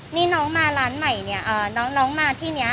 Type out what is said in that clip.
นี่น้องมาร้านใหม่เนี่ยน้องมาที่นี้